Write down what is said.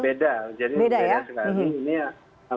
beda jadi beda sekali